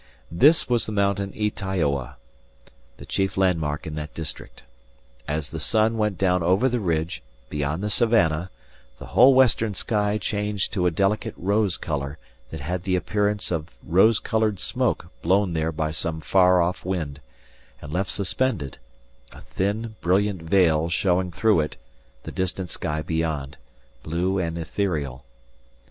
This was the mountain Ytaioa, the chief landmark in that district. As the sun went down over the ridge, beyond the savannah, the whole western sky changed to a delicate rose colour that had the appearance of rose coloured smoke blown there by some far off wind, and left suspended a thin, brilliant veil showing through it the distant sky beyond, blue and ethereal.